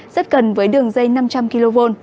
rất gần với đường dây năm trăm linh kv